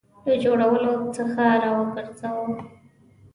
له جوړولو څخه را وګرځاوه.